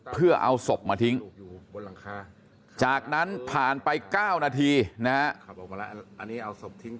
เพื่อเอาศพมาทิ้งจากนั้นผ่านไป๙นาทีนะฮะ